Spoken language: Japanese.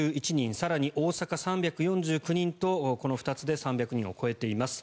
更に大阪、３４９人とこの２つで３００人を超えています。